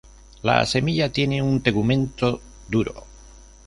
La semilla tiene un tegumento duro.